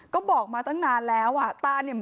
ก็บอกมาตั้งนานแล้วอ่ะตาเนี่ย